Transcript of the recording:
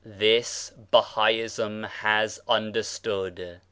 This, Bahaism has understood.